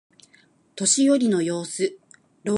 年寄りの様子。老人のこと。または、年老いていくこと。